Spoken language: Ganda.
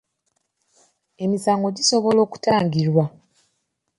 Emisango gisobola okutangirwa.